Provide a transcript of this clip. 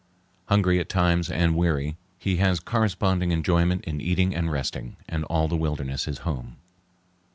Hungry at times and weary, he has corresponding enjoyment in eating and resting, and all the wilderness is home.